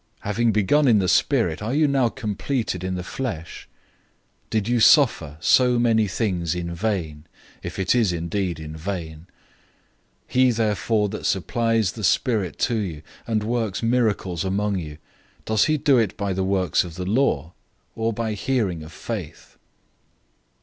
Having begun in the Spirit, are you now completed in the flesh? 003:004 Did you suffer so many things in vain, if it is indeed in vain? 003:005 He therefore who supplies the Spirit to you, and works miracles among you, does he do it by the works of the law, or by hearing of faith?